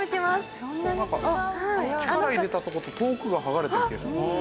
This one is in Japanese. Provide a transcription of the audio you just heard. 力入れたとこと遠くが剥がれてる気がしますね。